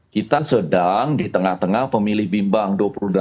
kita sedang di tengah tengah pemilih bimbang dua puluh delapan tujuh